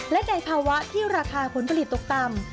และในภาวะที่ราคาผลผลิตตกต่ำ